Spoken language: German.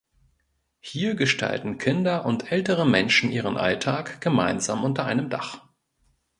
Hier gestalten Kinder und ältere Menschen ihren Alltag gemeinsam unter einem Dach.